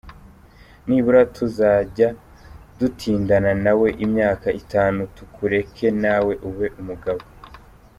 Nibura tuzajya dutindana nawe imyaka itanu, tukureke nawe ube umugabo.